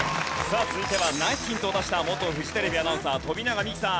さあ続いてはナイスヒントを出した元フジテレビアナウンサー富永美樹さん。